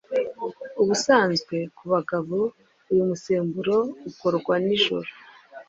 ubusanzwe ku bagabo, uyu musemburo ukorwa nijoro